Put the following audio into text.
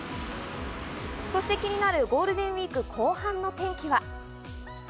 そして気になるゴールデンウイーク後半の天気は？